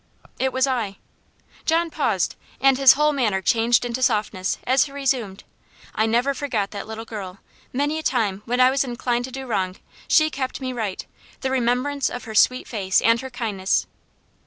"It was I." John paused, and his whole manner changed into softness, as he resumed. "I never forgot that little girl. Many a time, when I was inclined to do wrong, she kept me right the remembrance of her sweet face and her kindness."